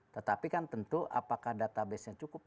tetapi kan tentu apakah data basenya cukup